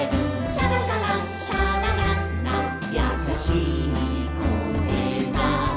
「シャラシャラシャラララやさしい声だね」